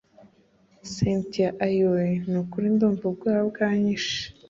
cyntia ayiweee! nukuri ndumva ubwoba bunyishe